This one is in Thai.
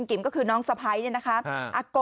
กิ๋มก็คือน้องสะพ้ายเนี่ยนะคะ